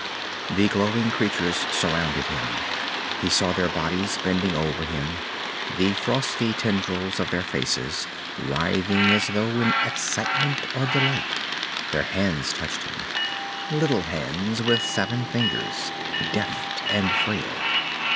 The glowing creatures surrounded him. He saw their bodies bending over him, the frosty tendrils of their faces writhing as though in excitement or delight. Their hands touched him. Little hands with seven fingers, deft and frail.